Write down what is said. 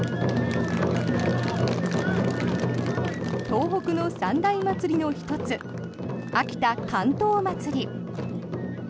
東北の三大祭りの１つ秋田竿燈まつり。